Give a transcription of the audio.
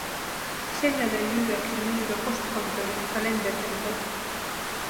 Sellele lüüakse müüva postkontori kalendertempel.